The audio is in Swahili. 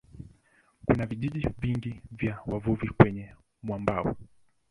Kuna vijiji vingi vya wavuvi kwenye mwambao.